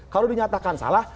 kalau dinyatakan salah